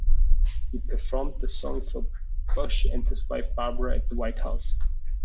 He performed the song for Bush and his wife Barbara at the White House.